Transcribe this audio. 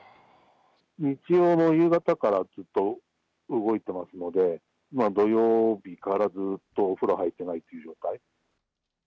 日曜の夕方からずっと動いてますので、土曜日からずっとお風呂入ってないっていう状態。